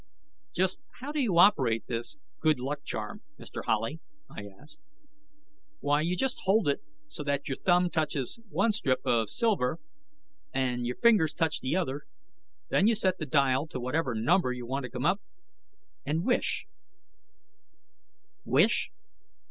"Just how do you operate this good luck charm, Mr. Howley?" I asked. "Why, you just hold it so that your thumb touches one strip of silver and your fingers touch the other, then you set the dial to whatever number you want to come up and wish." "_Wish?